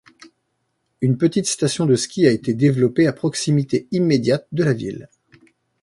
Une petite station de ski a été développée à proximité immédiate de la ville.